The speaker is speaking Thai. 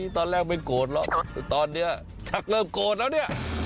ตอนแรกไม่โกรธหรอกตอนนี้ชักเริ่มโกรธแล้วเนี่ย